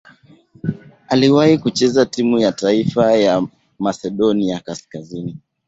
Aliwahi kucheza timu ya taifa ya Masedonia Kaskazini.